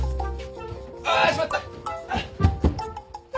あしまった！